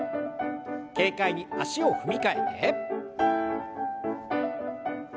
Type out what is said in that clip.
軽快に足を踏み替えて。